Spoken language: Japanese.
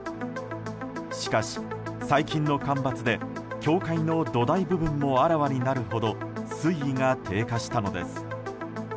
しかし、最近の干ばつで教会の土台部分もあらわになるほど水位が低下したのです。